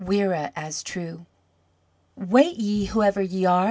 Mhuire as traugh!" "Wait ye, whoever ye are!"